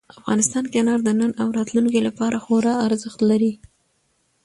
افغانستان کې انار د نن او راتلونکي لپاره خورا ارزښت لري.